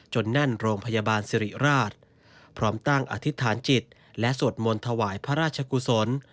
แน่นโรงพยาบาลสิริราชพร้อมตั้งอธิษฐานจิตและสวดมนต์ถวายพระราชกุศล